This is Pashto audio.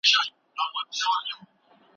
تور پنجاب پر نړېدو دی